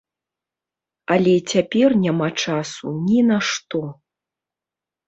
Але цяпер няма часу ні на што.